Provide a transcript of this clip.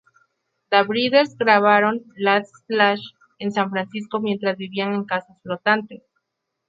The Breeders grabaron "Last Splash" en San Francisco mientras vivían en casas flotantes.